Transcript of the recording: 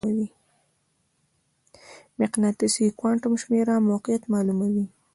د مقناطیسي کوانټم شمېره موقعیت معلوموي.